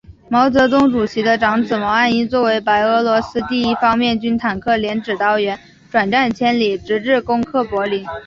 毛泽东主席的长子毛岸英作为白俄罗斯第一方面军坦克连指导员，转战千里，直至攻克柏林。